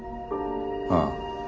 ああ。